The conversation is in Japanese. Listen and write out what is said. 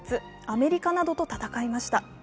アメリカなどと戦いました。